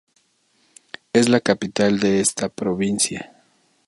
Es la capital de esta provincia.